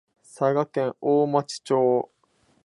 佐賀県大町町